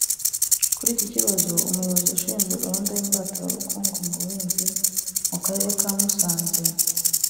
Kuri iki kibazo Umuyobozi ushinzwe gahunda y’imbaturabukungu mu by’ubuhinzi mu Karere ka Musanze